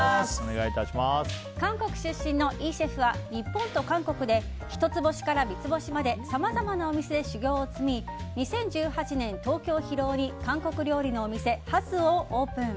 韓国出身のイシェフは日本と韓国で一つ星から三つ星までさまざまなお店で修業を積み２０１８年、東京・広尾に韓国料理のお店ハスオをオープン。